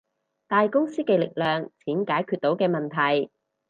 大公司嘅力量，錢解決到嘅問題